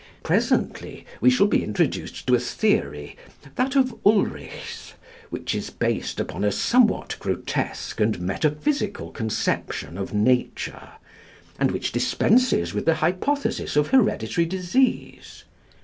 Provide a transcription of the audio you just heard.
Presently we shall be introduced to a theory (that of Ulrichs) which is based upon a somewhat grotesque and metaphysical conception of nature, and which dispenses with the hypothesis of hereditary disease.